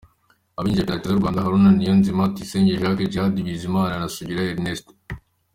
Abinjije penaliti z’u Rwanda: Haruna Niyonzi, Tuyisenge Jacques, Djihad Bizimana, Sugira Ernest.